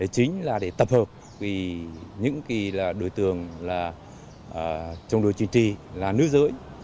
chính là để tập hợp với những đối tượng là chống đối chuyên trì là nữ giới